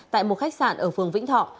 tại một khách sạn ở phường vĩnh thọ